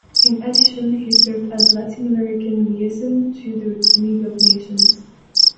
In addition, he served as Latin American Liaison to the League of Nations.